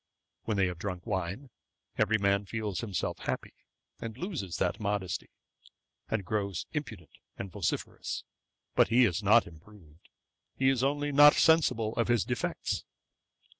When they have drunk wine, every man feels himself happy, and loses that modesty, and grows impudent and vociferous: but he is not improved; he is only not sensible of his defects.'